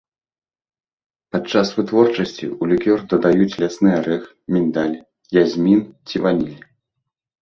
Падчас вытворчасці ў лікёр дадаюць лясны арэх, міндаль, язмін ці ваніль.